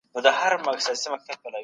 پوهان د بېوزلۍ د ریښو د ایستلو پلان لري.